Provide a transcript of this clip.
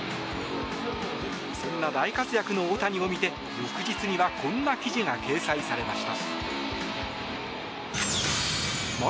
そんな大活躍の大谷を見て翌日にはこんな記事が掲載されました。